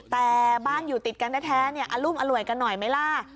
แต่บ้านอยู่ติดกันแท้อรุมอร่วยกันหน่อยไหมล่ะ